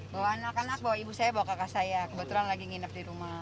bawa anak anak bawa ibu saya bawa kakak saya kebetulan lagi nginep di rumah